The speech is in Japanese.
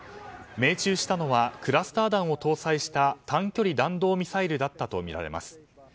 命中したのはクラスター弾を搭載した短距離弾道ミサイルだったとみられます。